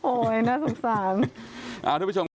โอ๊ยน่าสุขสาน